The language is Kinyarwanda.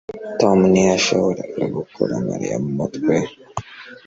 tom ntiyashoboraga gukura mariya mu mutwe